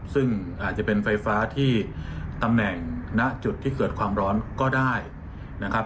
ซึ่งอาจจะเป็นไฟฟ้าที่ตำแหน่งณจุดที่เกิดความร้อนก็ได้นะครับ